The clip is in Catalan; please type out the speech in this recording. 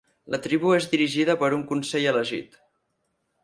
La tribu és dirigida per un consell elegit.